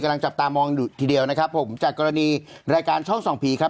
จับตามองอยู่ทีเดียวนะครับผมจากกรณีรายการช่องส่องผีครับ